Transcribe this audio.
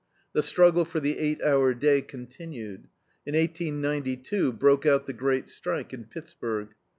The struggle for the eight hour day continued. In 1892 broke out the great strike in Pittsburg.